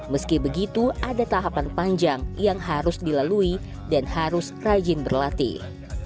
meski begitu ada tahapan panjang yang harus dilalui dan harus rajin berlatih